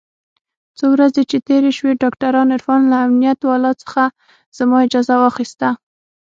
څو ورځې چې تېرې سوې ډاکتر عرفان له امنيت والاو څخه زما اجازه واخيسته.